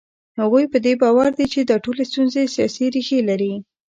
هغوی په دې باور دي چې دا ټولې ستونزې سیاسي ریښې لري.